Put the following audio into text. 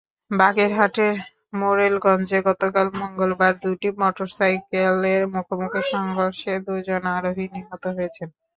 বাগেরহাটের মোরেলগঞ্জে গতকাল মঙ্গলবার দুটি মোটরসাইকেলের মুখোমুখি সংঘর্ষে দুজন আরোহী নিহত হয়েছেন।